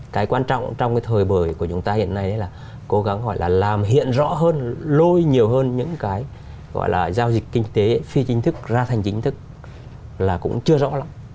cái quan trọng trong cái thời bởi của chúng ta hiện nay là cố gắng gọi là làm hiện rõ hơn lôi nhiều hơn những cái gọi là giao dịch kinh tế phi chính thức ra thành chính thức là cũng chưa rõ lắm